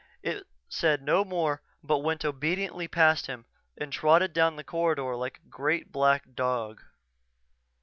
It said no more but went obediently past him and trotted down the corridor like a great, black dog.